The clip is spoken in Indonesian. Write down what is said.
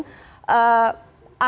arahnya ke mana